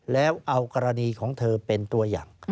แล้วเอากรณีของเธอเป็นตัวอย่าง